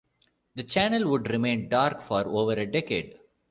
The channel would remain dark for over a decade.